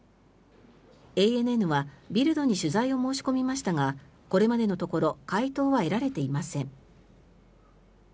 ＡＮＮはビルドに取材を申し込みましたがこれまでのところ回答は得られていません。